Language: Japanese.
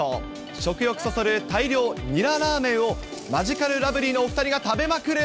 食欲そそる、大量ニララーメンをマヂカルラブリーのお２人が食べまくる。